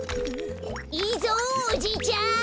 いいぞおじいちゃん。